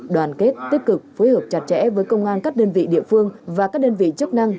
đoàn kết tích cực phối hợp chặt chẽ với công an các đơn vị địa phương và các đơn vị chức năng